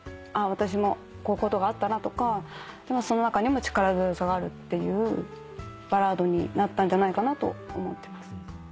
私もこういうことがあったなとかでもその中にも力強さがあるっていうバラードになったんじゃないかなと思ってます。